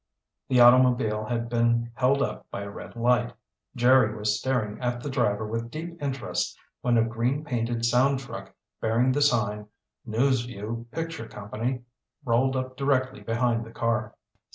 The automobile had been held up by a red light. Jerry was staring at the driver with deep interest when a green painted sound truck bearing the sign, News Vue Picture Company, rolled up directly behind the car.